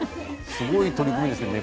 すごい取り組みですね。